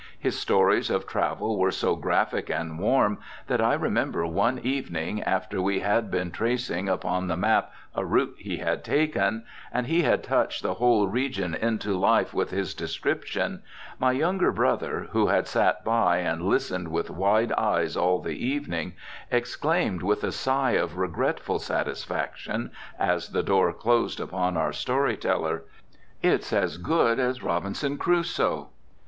His stories of travel were so graphic and warm, that I remember one evening, after we had been tracing upon the map a route he had taken, and he had touched the whole region into life with his description, my younger brother, who had sat by and listened with wide eyes all the evening, exclaimed with a sigh of regretful satisfaction, as the door closed upon our story teller, "It's as good as Robinson Crusoe!"